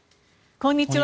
こんにちは。